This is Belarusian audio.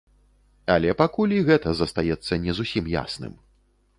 Але пакуль і гэта застаецца не зусім ясным.